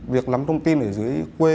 việc nắm thông tin ở dưới quê